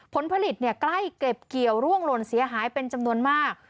ผลผลิตใกล้เก็บเกี่ยวร่วงหล่นเสียหายเป็นจำนวนมาก